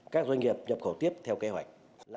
các doanh nghiệp nhập khẩu tiếp theo kế hoạch